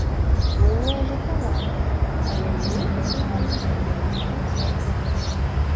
Мы не агітавалі, але мы ігралі на іх канцэртах.